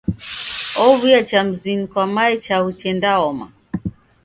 Ow'uya cha mzinyi kwa mae chaghu chendaoma.